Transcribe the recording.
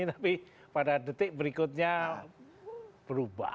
tapi pada detik berikutnya berubah